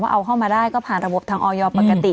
เอาเข้ามาได้ก็ผ่านระบบทางออยปกติ